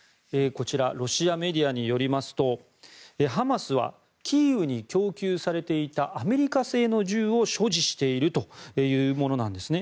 ロシアメディアによりますとハマスはキーウに供給されていたアメリカ製の銃を所持しているというものなんですね。